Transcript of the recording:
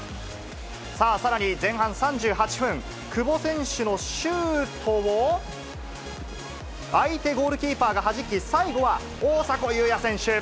さらに前半３８分、久保選手のシュートを、相手ゴールキーパーがはじき、最後は大迫勇也選手。